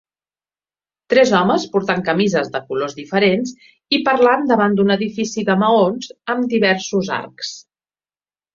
Tres homes portant camises de colors diferents i parlant davant d"un edifici de maons amb diversos arcs.